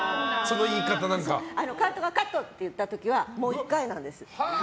監督がカットって言った時はもう１回なんです。